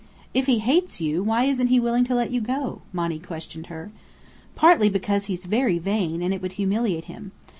"If he hates you, why isn't he willing to let you go?" Monny questioned her. "Partly because he's very vain, and it would humiliate him.